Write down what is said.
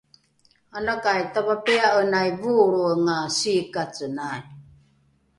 alakai tapapia’enai voolroenga siikacenai